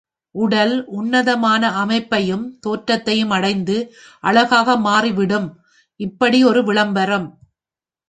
உடல் உன்னதமான அமைப்பையும் தோற்றத்தையும் அடைந்து, அழகாக மாறிவிடும். இப்படி ஒரு விளம்பரம்.